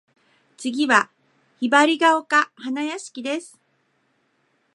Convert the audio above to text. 次は雲雀丘花屋敷（ひばりがおかはなやしき）です。